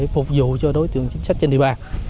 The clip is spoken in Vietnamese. phục vụ cho đối tượng chính sách trên địa bàn